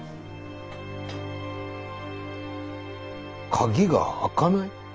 鍵が開かない？